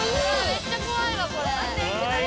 めっちゃ怖いわこれ。